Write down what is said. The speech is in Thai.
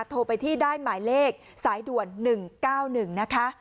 โทรไปที่ได้หมายเลขสายด่วน๑๙๑นะคะ